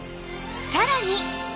さらに